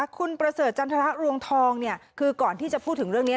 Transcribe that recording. คุณประเสริฐจันทรรวงทองคือก่อนที่จะพูดถึงเรื่องนี้